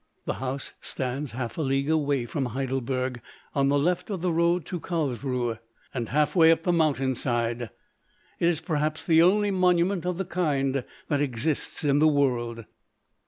The house stands half a league away from Heidelberg, on the left of the road to Carlsruhe, and half way up the mountain side. It is perhaps the only monument of the kind that exists in the world.